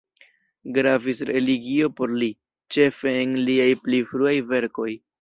Gravis religio por li, ĉefe en liaj pli fruaj verkoj.